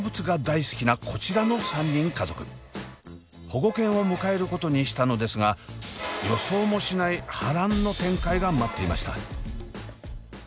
保護犬を迎えることにしたのですが予想もしない波乱の展開が待っていました。